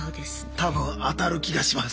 多分当たる気がします。